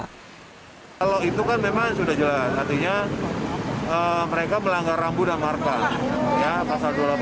kalau itu kan memang sudah jelas artinya mereka melanggar rambu dan markah ya pasal dua ratus delapan puluh tujuh a satu